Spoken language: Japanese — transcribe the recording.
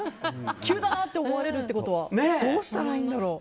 急だなって思われることはどうしたらいいんだろう。